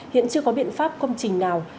hiện chưa có biện pháp công trình nào